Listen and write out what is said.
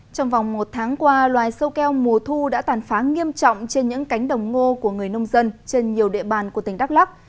trong vòng một tháng qua loài sâu keo mùa thu đã tàn phá nghiêm trọng trên những cánh đồng ngô của người nông dân trên nhiều địa bàn của tỉnh đắk lắc